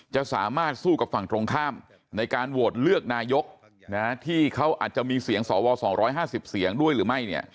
จะสามารถสู้กับฝั่งตรงข้ามในการโหวตเลือกนายกที่เขาอาจจะมีเสียงสว๒๕๐เสียงด้วยหรือไม่